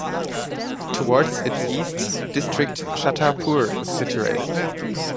Towards its east, district Chattarpur is situated.